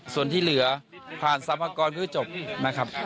ส่วนที่เหลือผ่านสำหรับกรก็จบ